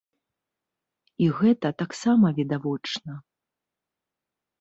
І гэта таксама відавочна.